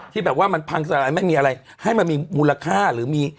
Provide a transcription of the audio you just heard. ที่แบบว่ามันพังสลายไม่มีอะไรให้มันมีมูลค่าหรือมี